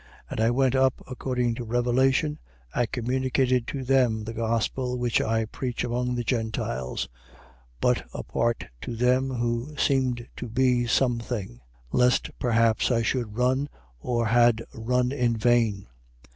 2:2. And I went up according to revelation and communicated to them the gospel which I preach among the Gentiles: but apart to them who seemed to be some thing: lest perhaps I should run or had run in vain.